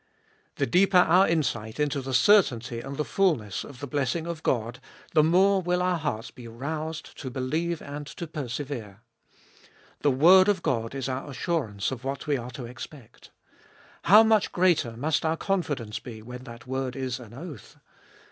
The deeper our insight into the certainty and the fulness of the blessing of God, the more will our hearts be roused to believe and to persevere. The word of God is our assurance of what we are to expect. How much greater must our confidence be when that word is an oath